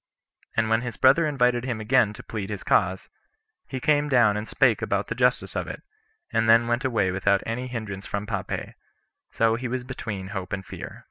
And when his brother invited him again [to plead his cause], he came down and spake about the justice of it, and then went away without any hinderance from Pompey; so he was between hope and fear.